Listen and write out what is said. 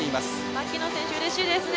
牧野選手、うれしいですね。